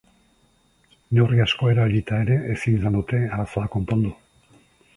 Neurri asko erabilita ere, ezin izan dute arazoa konpondu.